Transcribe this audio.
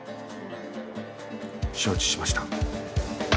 承知しました。